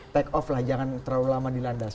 take off lah jangan terlalu lama di landas